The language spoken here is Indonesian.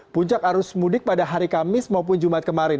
puncak arus mudik pada hari kamis maupun jumat kemarin